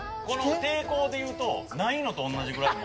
抵抗でいうと、ないのと同じぐらい。